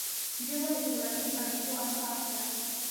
ژبه د ټولنیزو اړیکو اساس ده